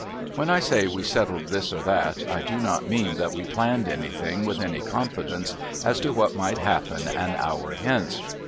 When I say we settled this or that, I do not mean that we planned anything with any confidence as to what might happen an hour hence.